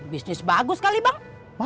bisnis bagus sekali bang